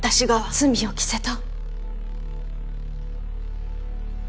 罪を着せた？